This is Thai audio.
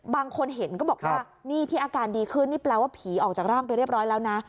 บางคนเห็นก็บอกว่านี่ที่อาการดีขึ้นนี่แปลว่าผีออกจากร่างไปเรียบร้อยแล้วนะ